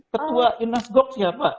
ketua inas gok siapa